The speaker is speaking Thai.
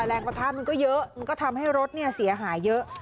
แรงประทะมันก็เยอะมันก็ทำให้รถเสียหายเยอะ